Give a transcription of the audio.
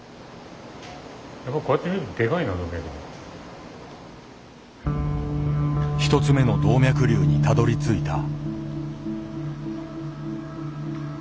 こうやって見ると１つ目の動脈瘤にたどりついた。